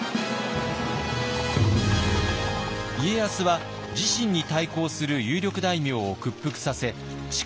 家康は自身に対抗する有力大名を屈服させ力を強めていきます。